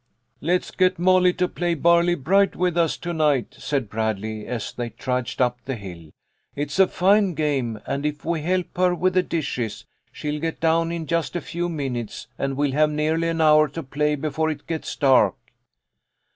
" Let's get Molly to play Barley bright with us to night," said Bradley, as they trudged up the hill. " It is a fine game, and if we help her with the dishes, she'll get done in just a few minutes, and we'll have nearly an hour to play before it gets dark."